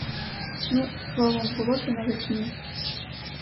Ну, словом, було це навесні.